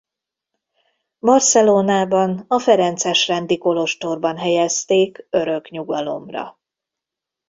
Barcelonában a Ferences rendi kolostorban helyezték örök nyugalomra.